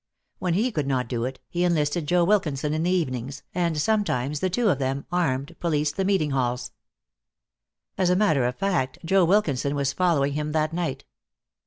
When he could not do it, he enlisted Joe Wilkinson in the evenings, and sometimes the two of them, armed, policed the meeting halls. As a matter of fact, Joe Wilkinson was following him that night.